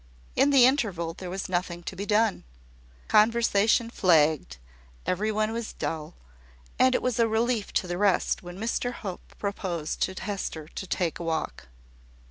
In the interval, there was nothing to be done. Conversation flagged; every one was dull; and it was a relief to the rest when Mr Hope proposed to Hester to take a walk.